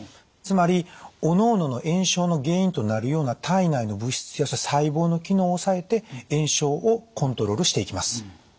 つまりおのおのの炎症の原因となるような体内の物質や細胞の機能を抑えて炎症をコントロールしていきます。